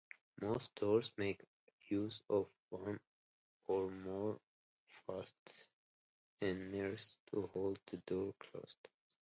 Most doors make use of one or more fasteners to hold the door closed.